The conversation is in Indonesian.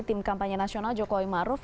tim kampanye nasional jokowi maruf